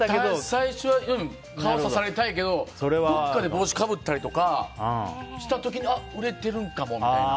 最初は顔を指されたいけどどこかで帽子かぶったりした時あ、売れてるんかもみたいな。